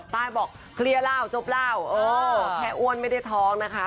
ตายบอกเคลียร์แล้วจบแล้วเออแค่อ้วนไม่ได้ท้องนะคะ